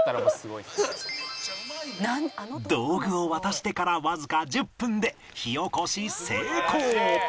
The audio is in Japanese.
道具を渡してからわずか１０分で火おこし成功！